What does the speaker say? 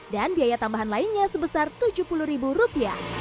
dan biaya tambahan lainnya sebesar rp tujuh puluh